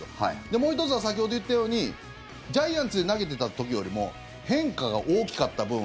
もう１つは、先ほど言ったようにジャイアンツで投げてた時よりも曲がりが！